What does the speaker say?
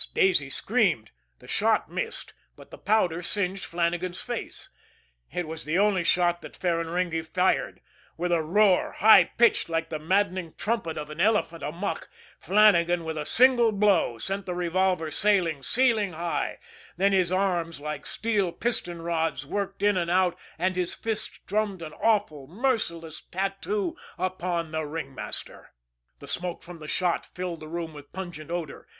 Daisy screamed. The shot missed, but the powder singed Flannagan's face. It was the only shot that Ferraringi fired! With a roar, high pitched like the maddened trumpeting of an elephant amuck, Flannagan with a single blow sent the revolver sailing ceiling high then his arms, like steel piston rods, worked in and out, and his fists drummed an awful, merciless tattoo upon the ringmaster. The smoke from the shot filled the room with pungent odor.